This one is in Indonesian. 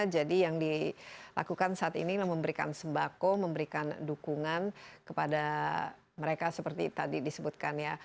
jadi yang dilakukan saat ini adalah memberikan sembako memberikan dukungan kepada mereka seperti tadi disebutkan ya